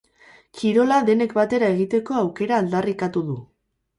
Kirola denek batera egiteko aukera aldarrikatu du.